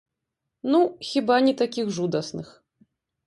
Ну, хіба, не такіх жудасных.